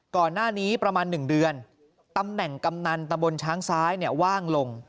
ก่อนหน้านี้ประมาณ๑เดือนตำแหน่งกำนันตะบนช้างซ้ายว่างลง